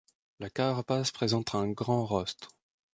La carapace présente un grand rostre.